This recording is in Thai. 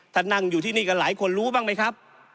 นั่งอยู่ที่นี่กันหลายคนรู้บ้างไหมครับ